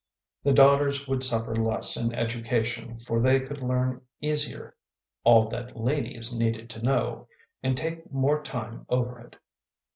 The daughters would suffer less in education, for they could learn easier, all that ladies needed to know, and take more time over it.